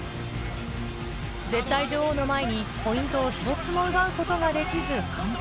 絶対女王の前にポイントを１つも奪うことができず完敗。